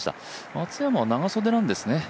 松山は長袖なんですね。